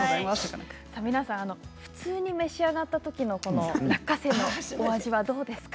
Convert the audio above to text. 皆さん普通に召し上がったときの落花生のお味どうですか？